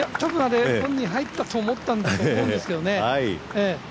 本人、入ったと思ったと思うんですけどね。